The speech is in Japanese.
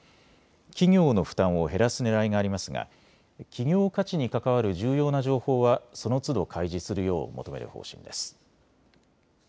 企業の負担を減らすねらいがありますが企業価値に関わる重要な情報はそのつど開示するよう求める方針です。